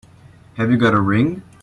Have you got a ring?